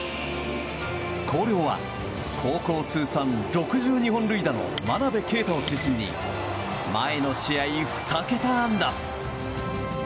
広陵は高校通算６２本塁打の真鍋慧を中心に前の試合、２桁安打！